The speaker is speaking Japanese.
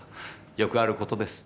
よくある事です。